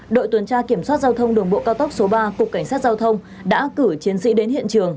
đội tuần tra kiểm soát giao thông đường bộ cao tốc số ba cục cảnh sát giao thông đã cử chiến sĩ đến hiện trường